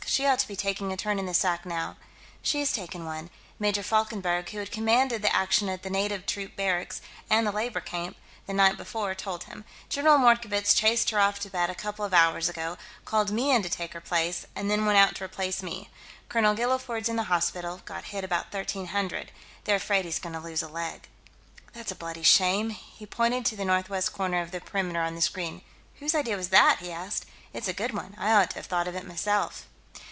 "She ought to be taking a turn in the sack, now." "She's taking one," Major Falkenberg, who had commanded the action at the native troops barracks and the labor camp, the night before, told him. "General Mordkovitz chased her off to bed a couple of hours ago, called me in to take her place, and then went out to replace me. Colonel Guilliford's in the hospital; got hit about thirteen hundred. They're afraid he's going to lose a leg." "That's a bloody shame!" He pointed to the northwest corner of the perimeter on the screen. "Whose idea was that?" he asked. "It's a good one; I ought to have thought of it, myself."